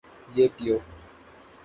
یہ پیو